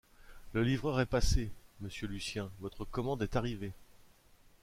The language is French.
Le livreur est passé, Monsieur Lucien, votre commande est arrivée.